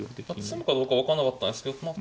詰むかどうか分かんなかったんですけど。